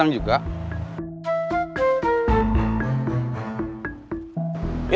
pasti setempat untuk aladdin